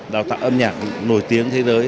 đào tạo âm nhạc nổi tiếng thế giới